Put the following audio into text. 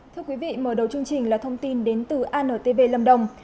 thưa quý vị mở đầu chương trình là thông tin đến từ antv lâm đồng